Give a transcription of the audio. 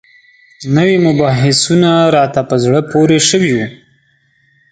نوي مبحثونه راته په زړه پورې شوي وو.